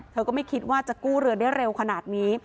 ก็ไม่คิดว่าจะกู้เรือได้เร็วขนาดนี้